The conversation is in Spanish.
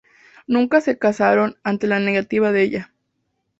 Nunca se casaron ante la negativa de ella.